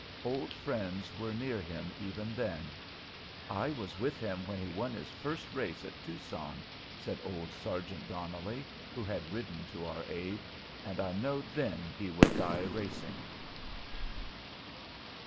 Old friends were near him even then. "I was with him when he won his first race at Tucson," said old Sergeant Donnelly, who had ridden to our aid, "and I knowed then he would die racing."